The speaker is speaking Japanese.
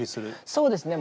そうですね